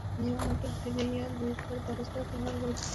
নিমন্ত্রণ ফিরাইয়া লইবার ব্যবস্থা তোমার বুদ্ধিতে যাহা আসে, তাহাই হোক।